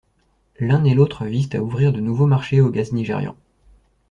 L'un et l'autre visent à ouvrir de nouveaux marchés au gaz nigérian.